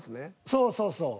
そうそうそう。